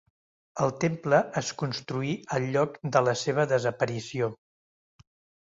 El temple es construí al lloc de la seva desaparició.